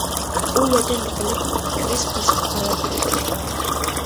ئۇ ۋەتەندە قېلىپ كۈرەش قىلىشقا قارار بېرىدۇ.